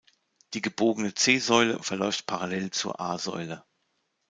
Die gebogene C-Säule verläuft parallel zur A-Säule.